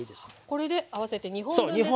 これで合わせて２本分ですね。